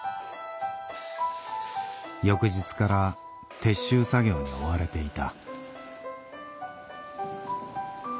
翌日から撤収作業に追われていた。